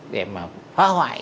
để mà phá hoại